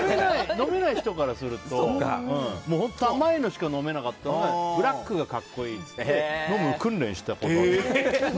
飲めない人からすると甘いのしか飲めなかったからブラックが格好いいって言って飲む訓練をしたことある。